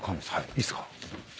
いいっすか？